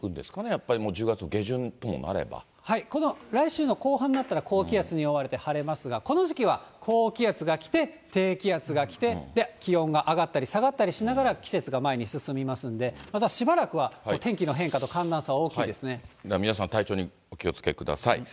やっぱりもうこの来週の後半になったら、高気圧に覆われて晴れますが、この時期は高気圧が来て、低気圧が来て、気温が上がったり下がったりしながら、季節が前に進みますんで、またしばらくは、皆さん、体調にお気をつけください。